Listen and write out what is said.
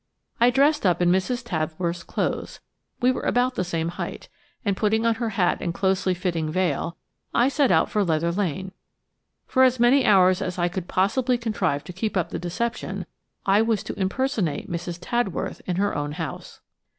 I dressed up in Mrs. Tadworth's clothes–we were about the same height–and putting on her hat and closely fitting veil, I set out for Leather Lane. For as many hours as I could possibly contrive to keep up the deception, I was to impersonate Mrs. Tadworth in her own house.